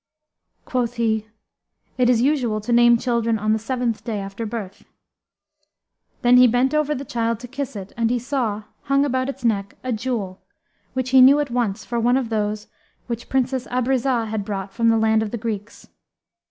Quoth he, "It is usual to name children on the seventh day after birth.[FN#300]" Then he bent over the child to kiss it and he saw, hung about its neck, a jewel, which he knew at once for one of those which Princess Abrizah had brought from the land of the Greeks.